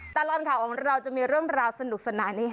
ตลอดข่าวของเราจะมีเรื่องราวสนุกสนานนี้